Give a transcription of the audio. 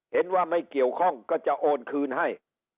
เห็นว่าไม่เกี่ยวข้องก็จะโอนคืนให้